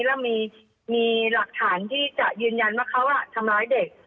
แล้วมีหลักฐานที่จะยืนยันว่าเขาทำร้ายเด็ก